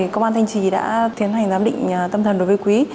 cơ quan thanh trì đã thiến hành giám định tâm thần đối với quý